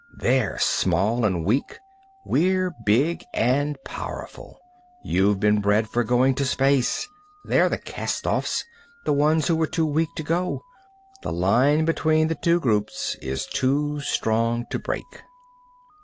They're small and weak, we're big and powerful. You've been bred for going to space; they're the castoffs, the ones who were too weak to go. The line between the two groups is too strong to break."